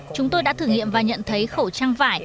chúng tôi đã thử nghiệm và nhận thấy khẩu trang vải